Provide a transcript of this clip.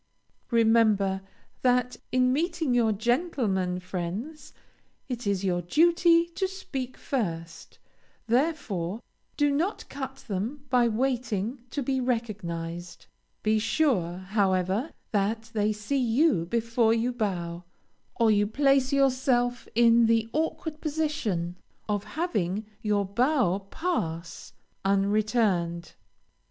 Remember that in meeting your gentlemen friends it is your duty to speak first, therefore do not cut them by waiting to be recognized. Be sure, however, that they see you before you bow, or you place yourself in the awkward position of having your bow pass, unreturned.